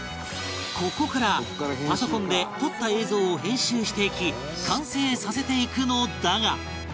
ここからパソコンで撮った映像を編集していき完成させていくのだが